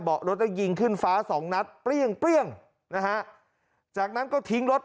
รถได้ยิงขึ้นฟ้าสองนัดเปรี้ยงเปรี้ยงนะฮะจากนั้นก็ทิ้งรถ